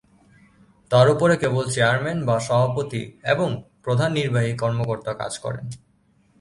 তার উপরে কেবল চেয়ারম্যান বা সভাপতি এবং প্রধান নির্বাহী কর্মকর্তা কাজ করেন।